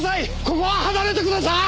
ここは離れてください！